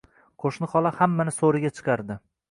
Qo‘shni xola hammani so‘riga chiqardi